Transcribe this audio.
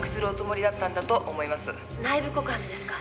「内部告発ですか？」